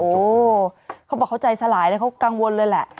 โอ้โหเขาบอกเขาใจสลายเลยเขากังวลเลยแหละ